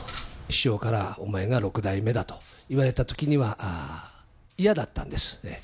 師匠からお前が六代目だと言われたときには、嫌だったんです。